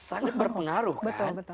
sangat berpengaruh kan